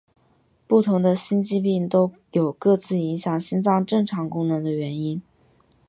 不同的心肌病都有各自影响心脏正常功能的原因。